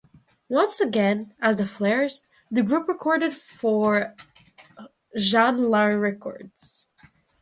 Once again as the Flares, the group recorded for Jan-Lar Records.